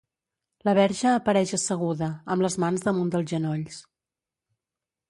La Verge apareix asseguda, amb les mans damunt dels genolls.